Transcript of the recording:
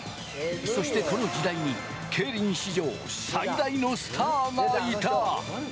そして、この時代に競輪史上最大のスターがいた。